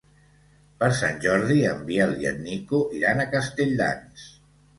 Per Sant Jordi en Biel i en Nico iran a Castelldans.